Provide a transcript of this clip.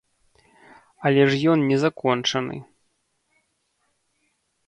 Але ж ён не закончаны.